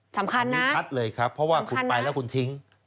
สำคัญนะชี้ชัดเลยครับเพราะว่าคุณไปแล้วคุณทิ้ง